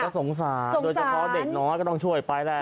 สงสารโดยเฉพาะเด็กน้อยก็ต้องช่วยไปแหละ